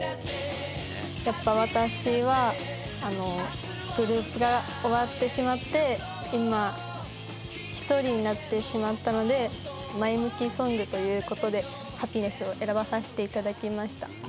やっぱ私はグループが終わってしまって今１人になってしまったので前向きソングということで『Ｈａｐｐｉｎｅｓｓ』を選ばさせていただきました。